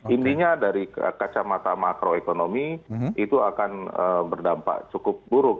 intinya dari kacamata makroekonomi itu akan berdampak cukup buruk